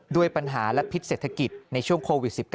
ด้วยปัญหาและพิษเศรษฐกิจในช่วงโควิด๑๙